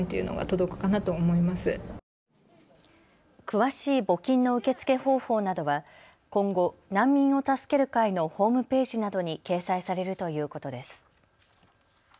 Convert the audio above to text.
詳しい募金の受け付け方法などは今後、難民を助ける会のホームページなどに掲載されるということです。